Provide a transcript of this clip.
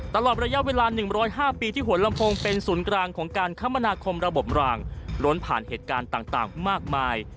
ตลอดระยะเวลา๑๐๕ปีที่หัวลำโพงเป็นศูนย์กลางของการคมนาคมระบบรางล้นผ่านเหตุการณ์ต่างมากมาย